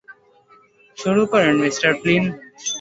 শুরু করুন, mister Flynn.